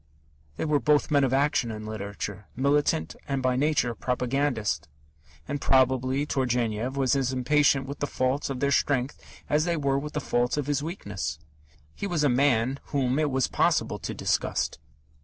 They were both men of action in literature, militant, and by nature propagandist. And probably Turgenev was as impatient with the faults of their strength as they were with the faults of his weakness. He was a man whom it was possible to disgust.